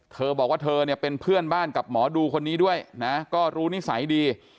เธอบอกว่าเธอเนี่ยเป็นเพื่อนบ้านกับหมอดูคนนี้ด้วยนะก็รู้นิสัยดี